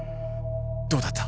どうだった？